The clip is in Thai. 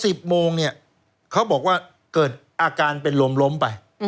แต่พอ๑๐โมงเนี่ยเขาบอกว่าเกิดอาการเป็นลมไป